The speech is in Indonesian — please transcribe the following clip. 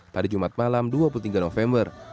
pada jumat malam dua puluh tiga november